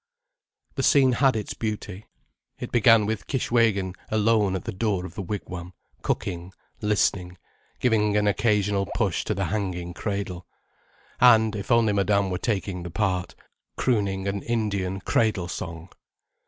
The scene had its beauty. It began with Kishwégin alone at the door of the wigwam, cooking, listening, giving an occasional push to the hanging cradle, and, if only Madame were taking the part, crooning an Indian cradle song.